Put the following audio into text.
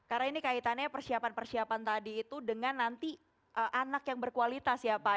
karena ini kaitannya persiapan persiapan tadi itu dengan nanti anak yang berkualitas ya pak